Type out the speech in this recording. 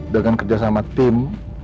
dengan kerja sama tim